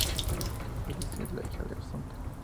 Iris es la hija de Asunta.